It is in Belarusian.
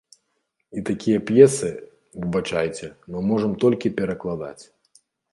І такія п'есы, выбачайце, мы можам толькі перакладаць.